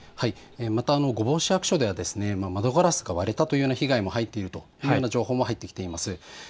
また御坊市役所では窓ガラスが割れたというような被害も入っているという情報も入ってきています。